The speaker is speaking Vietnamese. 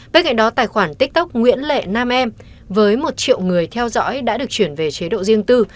bên cạnh đó tài khoản tiktok nguyễn lệ nam em với một triệu người theo dõi đã được chuyển về chế độ riêng tư